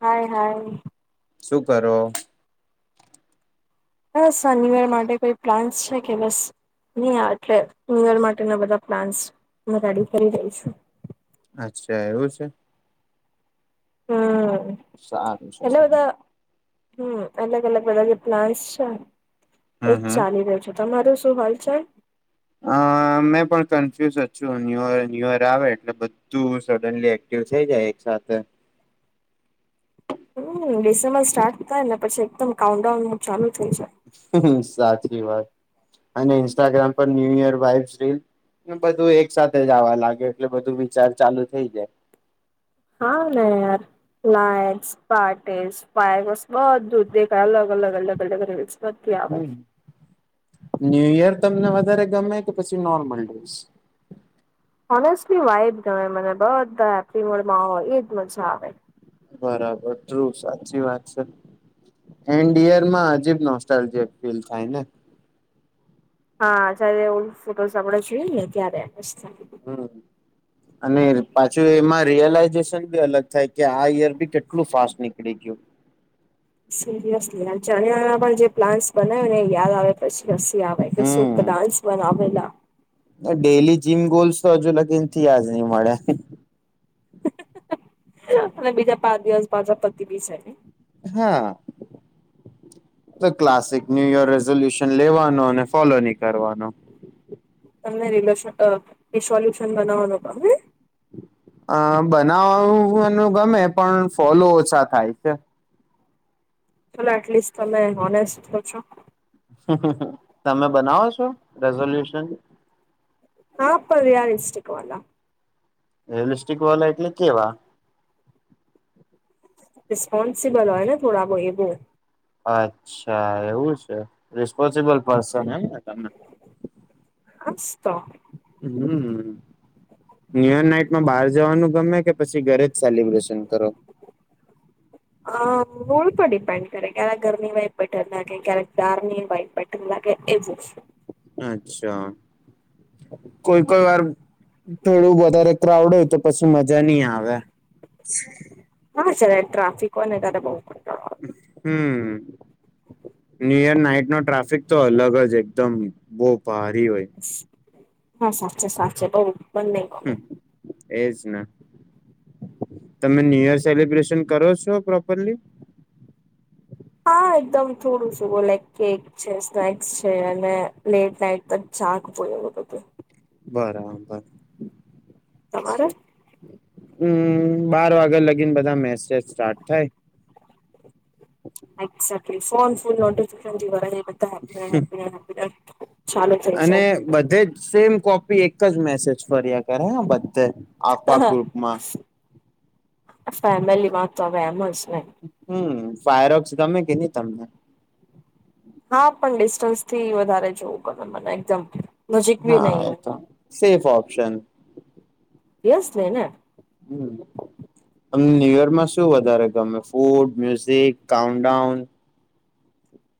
હાય hi. શું કરો? બસ આ ન્યુયર માટે કોઈ પ્લાન્સ છે કે બસ નહી એટલે ન્યુયર માટેના બધા પ્લાન્સ હું રેડી કરી રહી છું. અચ્છા એવું છે. હમ્મ. સારું છે સારું. એલોકો, હમ્મ, અલગ અલગ અલગ જે પ્લાનસ છે હમ એજ હમ. ચાલી રહ્યો છે. તમારું શ શું હાલ ચાલ? આ મેં પણ કન્ફ્યૂઝ જ છુ. ન્યયર ન્યુયર આવે એટલે બધું સડનલી એક્ટિવ થઈ જાય એક સાથે. હમ્મ, ડિસેમ્બર સ્ટાર્ટ થાય ને પછી એકદમ કાઉન્ટડાઉન ચાલુ થઈ જાય સાચી વાત અને ઇન્સ્ટાગ્રામ પર ન્યુયર વાઇબેસ, રીલ બધું એક સાથે જ આવવા લાગે એટલે બધું વિચાર ચાલુ થઇ જાય. હા ને યાર લાઇટ્સ, પાર્ટીસ, ફાયર્સ બધુ દેખાઈ અલગ અલગ અલગ અલગ નથી આવા ન્યુયર તમને વધારે ગમે, કે પછી નોર્મલ ડેઝ? હોનેસ્ટલી વાઇબ ગમે મને, બધ્ધા હેપ્પી મોડમાં હોય એ જ મઝા આવે. બરાબર, ટ્રુ, સાચી વાત છે. એન્ડ યરમાં અજીબ નોસ્ટાલ્જીયા ફીલ થાય ને? હા જ્યારે ઓલુ ફોટો [unintelligible] જોઈયે ને, ત્યારે. હમ, અને પાછું એમાં રિયલાઈઝેશન બી અલગ થાય, કે આ યર બી કેટલું ફાસ્ટ નીકળી ગયું. સિરિયસલી, અને [unintelligible] જે પ્લાન્સ બનાવે ને એ યાદ આવે પછી. હસી આવે, કે સું હમ પ્લાન્સ બનાવેલા! ડેલી જીમ ગોલ્સ તો હજુ લગીન થીયા જ ની મળે. અને બીજા પાંચ દિવસ બાછા પતી બી જાય. હા, તો ક્લાસિક ન્યુયર રિઝોલ્યુશન લેવાનો, અને ફોલો ની કરવાનો. તમને રિલેશન રિસોલ્યુશન બનાવવાનો ગમે? અ, બનાવવાનું ગમે, પણ ફોલો ઓછા થાય છે. ચાલો, એટલીસ્ટ તમે ઓનેસ્ટ તો છો. તમે બનાવો છો, રેઝોલ્યુશન? હા, પન રિયાલિસ્ટિક વાલા. રિયલસ્ટિક વાલા એટલે કેવા? રિસ્પોન્સિબલ હોય ને થોડા, બ એ બો. અચ્છા, એવું છે રિસ્પોન્સબલ પર્સન એમ ને તમે. હાસ્તો. હમ, ન્યુયર નાઈટ માં બહાર જવાનું ગમે? કે પછી ઘરે જ સેલિબ્રેશન કરો? પેન્ડ કરે, ક્યારેક ઘરની વાઈબ બેટર લાગે, ક્યારેક બારની વાઈબ બેટર લાગે, એવું. અચ્છા કોઈ કોઈ વાર થોડું વધારે ક્રાઉડ હોય તો પછી મજા નહી આવે. હા સર ટ્રાફિક. કોને તારે બહ કો ન્યુયર નાઈટ નો ટ્રાફિક તો અલગ જ એકદમ બો હા સાચ સા. બઉ બંને ગમે. એજ. તમે ન્યુ યર સેલિબ્રેશન કરો છો પ્રોપરલી? હા એકદમ થોડું શ લાઇક કેક છે, સ્નેક્સ છે અને લેટ નાઈટ તક જાગવું એવ બધું બરાબર. તમારે? છે. હમ બાર વાગ્યા લગીને બધા મેસેજ સ્ટાર્ટ થાય. એક્સજેક્ટલી ફોન ફુલ નોટિફિકેશન થી ભરાય જય બધા happy new year, happy new year, happy new year. હ [inaudible] અને બધે જ સેમ કોપી એક જ મેસેજ ફર્યા કરે બધે આફા જાય. ગ્રુપમાં. તમે એમ જ ને. હમ ફાયરોક્સ ગમે કે નહી તમને હા પણ ડિસ્ટન્સ થી વધારે જોવું પડે મને એકદમ થી હા એ તો સેફ ઓપ્શન [inaudible] હમ ન્યુ ઇચર માં શું વધારે ગમે food music countdown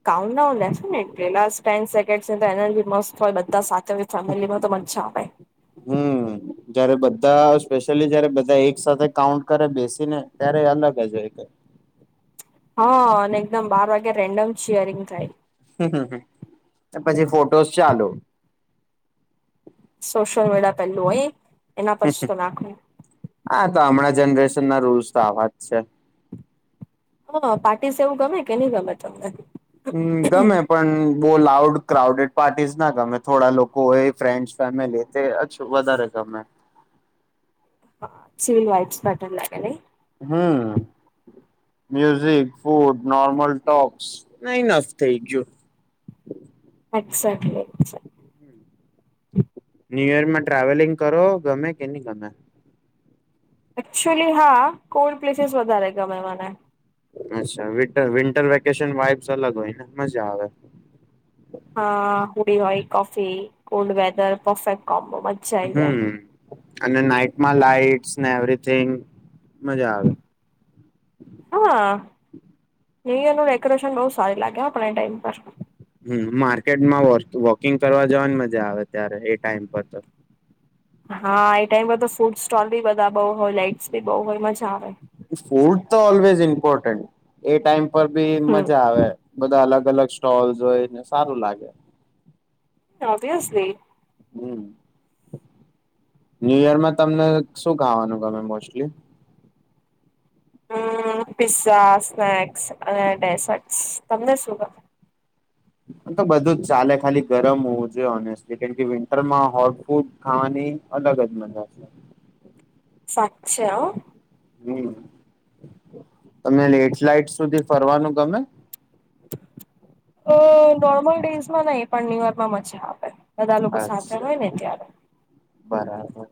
countdown let's make પહેલા ટેન સેકન્ડસ માં તો એનર્જી મસ્ત રહે પણ બધા સાથે ફેમિલીમાં તો મજજા આવે હમ જયારે બધા સ્પેશિયલી જયારે બધા એક સાથે કાઉન્ટ કરે બેસીને ત્યારે અલગ જ હોય હા અને એકદમ બાર વાગે રેન્ડમ શિયરિંગ થાય હું હું હું પછી ફોટોસ ચાલુ સોશિયલ મીડિયા પેલું હોય એના પર શું નાખો [unintelligible] હા તો હમણાં જનરેશન ના રૂલ્સ તો આવા જ છે. હા પાર્ટી સેવ ગમે કે ની ગમે તમને હું ગમે પણ બો લાઉડ ક્રાઉડેડ પાર્ટીસ ના ગમે થોડા લોકો હોય ફ્રેન્ડસ ફેમિલી [unintelligible] વધારે ગમે સિવીલ [unintelligible] બટન લાગેલી હું મ્યુઝિક ફૂડ નોર્મલ ટોક્સફ ઇનફ થઈ ગયું એક્ઝેટલી. ન્યૂયોર્કમાં ટ્રાવેલિંગ કરો ગમે કે ની ગમે? એક્ચુલી હા કોલ્ડ પ્લેસીસ વધારે ગમે મને અચ્છા [unintelligible] વિન્ટર વેકેશન વાઇબ્ અલગ હોય ને મજા આવે હા હોડી હોય coffee cold weather perfect coffee હું અને નાઈટમાં લાાઈટ એવરિથિંગ મજા આવે હું હ [unintelligible] ડેકોરેશન બહું સારી લાગે [unintelligible] ટાઈમ પર હું માર્કેટમાં વોકિંગ કરવા જવાની મજા આવે ત્યારે એ ટાઈમ પર તો હા એ ટાઈમ પર તો ફૂડ સ્ટોલ બી બંધ બહુ હોય લાઇટસ ભી બહુ હોય મજા આવે ફૂડ તો ઓલવેઝ ઇમ્પોર્ટન્ટ એ ટાઈમ ઉપર ભી હમ મજા આવે બધા અલગ અલગ સ્ટોલસ હોય ને સારું લાગે ઓવિયસલી ન્યૂયોર્કમાં તમને શું ખાવાનું ગમે મોસ્ટલી [inaudible] તો બધું જ ચાલે ખાલી ગરમ હોવું [unintelligible] કેમ વિન્ટરમાં હોટ ફૂડ ખાવાની અલગ જ મજા છે [unintelligible] હું તમે લેટલાઇટ સુધી ફરવાનું ગમે ઓ નોર્મલ ડેઈસમાં નહી પણ ન્યૂયોર્કમાં મજા આવે બધા લોકો સાચા હોય ને અચ્છા ત્યારે બરાબર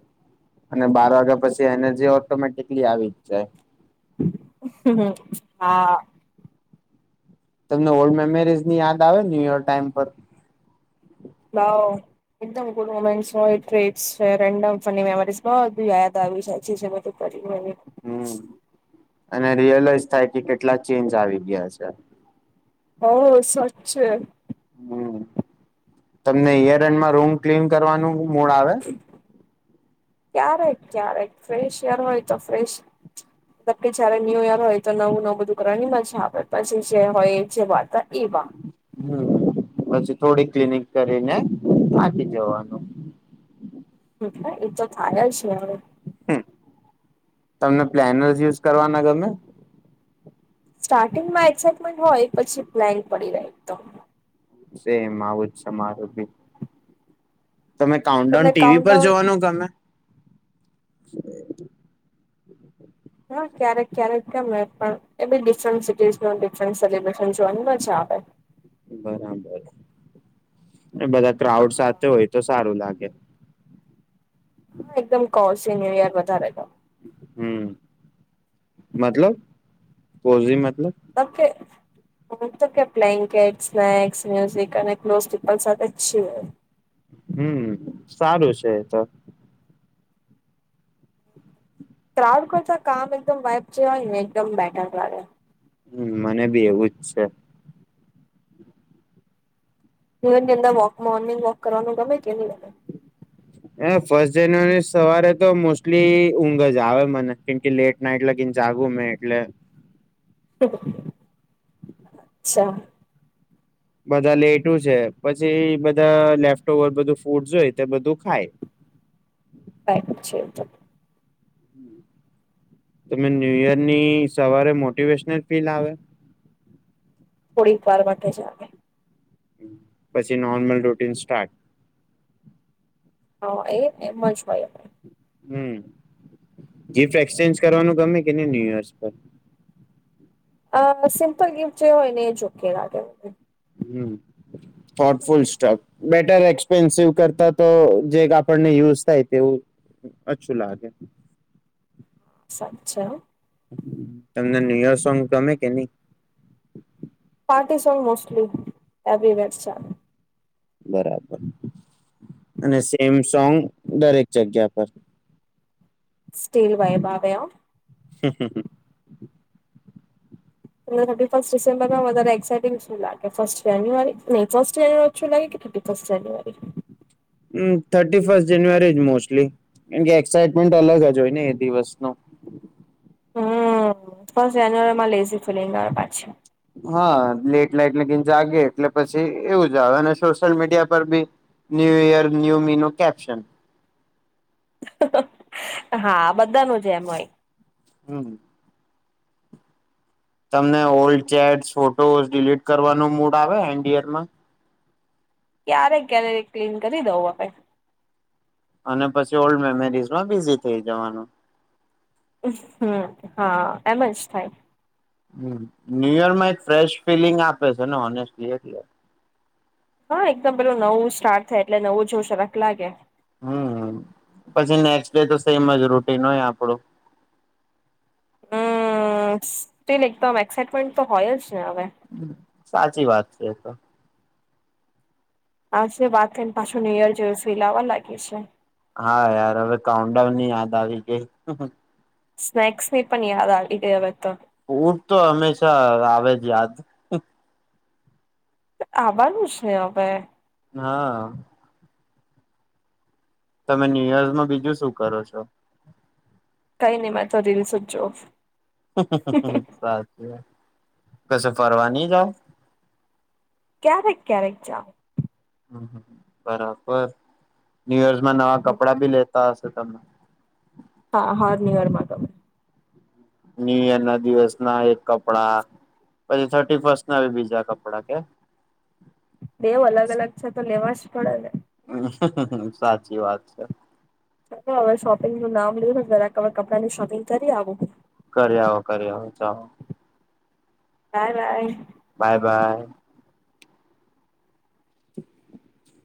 અને બાર વાગ્યા પછી એને જે ઓટોમેટિકલી આવી જ જાય હું હું હા તમને ઓલ્ડ મેમોરીઝ ની યાદ આવે ન્યુયોર ટાઈમ પર [unintelligible] એકદમ ગુડ મોમેન્ટ હોય ટ્રેડસ છે રેન્ડમ ફની મેમરી બધું યાદ આવી છે [unintelligible] છે બધું [unintelligible] હમ અને રિલાઇઝ થાય કે કેટલા ચેન્જ આવી ગયા છે હ સાચે હમ તમને યરએન્ડમાં રૂમ ક્લીન કરવાનું મૂળ આવે? ક્યારેક ક્યારેક ફ્રેશ યર હોય તો ફ્રેશ મતલબ કે જયારે ન્યૂ યર હોય તો નવું નવું બધું કરવાની મજા આવે પછી જે હોય એ જે વાતા હમ્મ. પછી થોડીક ક્લિનિક કરીને થાકી જવાનું. હા એ તો થાય જ ને હવે. હમ્મ તમને પ્લેનસ યુઝ કરવાના ગમે? સ્ટાર્ટિંગમાં એક્સાઈટમેન્ટ હોય પછી પ્લેન્ક પડી. [unintelligible] સેમ આવું જ છે મારું બી તમે કાઉન્ટડાઉન તમને ટીવી પર કાઉન્ટડાઉન જોવાનું ગમે? હા ક્યારેક ક્યારેક ગમે પણ એ બી ડિફરન્ટ સિટીઝ ન ડિફરન્ટ સેલિબ્રેશન જોવાની મજા આવે. બરાબર. ને બધા ક્રાઉડ સાથે હોય તો સારું લાગે. કે હા એકદમ કોશ ઈન એરિયા વધારે ગમે. હમ્મ મતલબ પોઝ ઈન માં ઓકે. હું તો કે બ્લેન્કેટ સ્નેક્સ મ્યુઝિક અને ક્લોઝ પીપલ સાથે અચ્છી હોએ. હમ્મ સારું છે એ તો. ક્રાઉડ કરતા કામ એકદમ વાઇબ જે હોય ને એકદમ બેટર લાગે. હમ્મ મને બી એવુંજ છે. [unintelligible] ની અંદર વોક મોર્નિંગ વોક કરવાનું ગમે કે નહિં? એ ફર્સ્ટ જાન્યુઆરી સવારે તો મોસ્ટલી ઊંઘ જ આવે મને કેમ કે લેટ નાઈટ લગીન જાગુ મેં એટલે અચ્છા. બધા લેટું છે પછી બધા લેફ્ટ ઓવર બધું ફૂડ જોય તે બધું ખાય. [unintelligible] છે એ તો. તમે ન્યુ યર ની સવારે મોટિવેશનલ ફીલ આવે? થોડીક વાર માટે જ આવે. હમ્મ પછી નોર્મલ રૂટીન સ્ટાર્ટ. હા એ એમજ હોય. હમ્મ ગિફ્ટ એક્સચેન્જ કરવાનું ગમે કે નહિં ન્યુ યર્સ પર? અહ સિમ્પલ ગિફ્ટ જે હોય ને જ ઓકે લાગે મને. હમ્મ થોટફુલ સ્ટોક બેટર એક્સપેન્સિવ કરતા તો જેક આપણને યુઝ થાય તેવું અચ્છું લાગે. સાચ્ચા હો. તમને ન્યુયર સોંગ ગમે કે નહીં? [unintelligible] સોંગ મોસ્ટલી [unintelligible] વાઈબ્સ આવે. બરાબર અને સેમ સોંગ દરેક જગ્યા પર. સ્ટીલ વાઈબ આવે હો. હા-હા. તમને થર્ટી ફર્સ્ટ ડિસેમ્બરના વધારે એક્સાઇટિંગ શું લાગે ફર્સ્ટ જાન્યુઆરી નહીં ફર્સ્ટ અચ્છું લાગે કે થર્ટી ફર્સ્ટ જાન્યુઆરી? હમ્મ થર્ટી ફસ્ટ જાન્યુઆરી જ મોસ્ટલી કેમ કે એક્સાઈટમેન્ટ અલગ જ હોય ને એ દિવસ નો. હમ્મ ફસ્ટ જાન્યુઆરીમાં લેઝી ફિલીંગ આવે પાછી. હા લેટનાઇટ લગીન જાગે એટલે પછી એવું જ આવે અને સોશિયલ મીડિયા પર બી ન્યુ યર ન્યુ મીનો કેપ્શન. હા બધા નું જ એમ હોય. હમ્મ. તમને ઓલ્ડ ચેટ ફોટોસ ડિલીટ કરવાનો મૂડ આવે એનડીરમાં ક્યારે ક્યારે ક્લીન કરી દઉં આપડે. અને પછી ઓલ્ડ મેમરીઝ માં બિઝી થઈ જવાનું. હમ હા એમ જ થાય. ન્યુ ઈયર માં એક ફ્રેશ ફિલિંગ આપે છે ને ઓનેસ્ટલી એટલે હા એકદમ પેલું નવું સ્ટાર્ટ થાય એટલે નવું જો સર લાગે હમ પછી નેક્સ્ટ ડે તો સેમ જ રૂટીન હોય આપણું. હમ સ્ટીલ એકદમ એક્સાઈટમેન્ટ તો હોય જ ને હવે. સાચી વાત છે એ તો. આજ વાતને પાછું નીયર જોયું ફેલ આવ્યા લાગી છે. હા યાર હવે કાઉન્ટડાઉન ની યાદ આવી ગઈ. સ્નેક્સ ની પણ યાદ આવી ગઈ હવે તો. ઉર તો હંમેશા આવે જ યાદ. આવવાનું જ ને હવે. હા. તમે ન્યુ ઈયર માં બીજું શું કરો છો. કઈ નહીં રિલસ જોઈ. સાચું. કશે ફરવા નહી જાવું? ક્યારેક ક્યારેક જય. હ બરાબર ન્યુ યર નવા કપડા ભી લેતા હસ તમે? હા હર ન્યુયર માં તમે? ન્યૂ ઈયર ના દિવસ ના એક કપડા પછી થર્ટી ફસ્ટ ના બીજા કપડા કે? દેવ અલગ અલગ છે તો લેવા જ [inaudible] હ સાચી વાત છે. ચ હવે શોપિંગ નું નામ લે જરા કપડા ની શોપિંગ કરી આવું. કર આવો કર આવો ચાલો. હા ના. Bye bye. [inaudible]